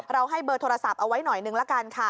ให้เบอร์โทรศัพท์เอาไว้หน่อยนึงละกันค่ะ